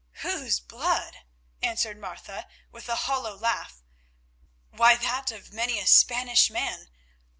"Whose blood?" answered Martha with a hollow laugh; "why that of many a Spanish man.